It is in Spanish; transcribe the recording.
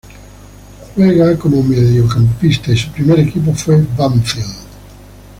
Juega como mediocampista y su primer equipo fue Banfield.